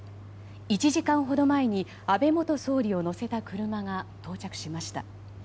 １時間ほど前に安倍元総理を乗せた車が到着しました。